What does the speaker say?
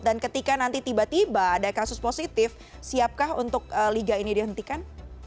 dan ketika nanti tiba tiba ada kasus positif siapkah untuk liga ini dihentikan